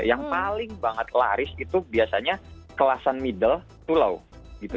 yang paling banget laris itu biasanya kelasan middle to law gitu